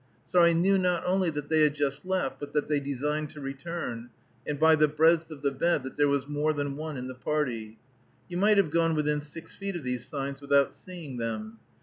So I knew not only that they had just left, but that they designed to return, and by the breadth of the bed that there was more than one in the party. You might have gone within six feet of these signs without seeing them.